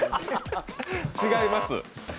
違います。